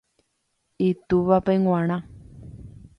Itúvape g̃uarã